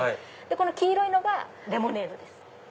この黄色いのがレモネードです。